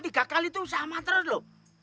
tiga kali itu sama terus lho